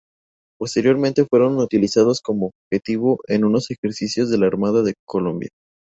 Posteriormente, fueron utilizados como objetivo en unos ejercicios de la Armada de Colombia.